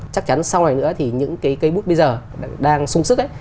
chắc chắn sau này nữa thì những cái cây bút bây giờ đang sung sức ấy